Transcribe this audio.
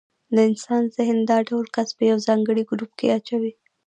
د انسان ذهن دا ډول کس په یو ځانګړي ګروپ کې اچوي.